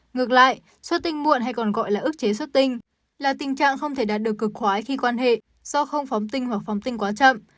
ngược lại xuất tinh muộn hay còn gọi là ước chế xuất tinh là tình trạng không thể đạt được cực khoái khi quan hệ do không phóng tinh hoặc phóng tinh quá chậm